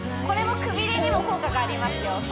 これもくびれにも効果がありますよ